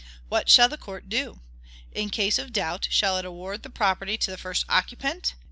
What shall the court do? In case of doubt, shall it award the property to the first occupant?